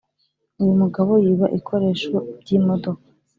uyumugabo yiba ikoresho byimodoka